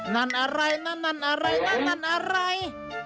นั่นอะไรนั่นอะไรนั่นอะไร